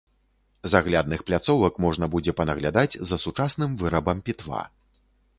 З аглядных пляцовак можна будзе панаглядаць за сучасным вырабам пітва.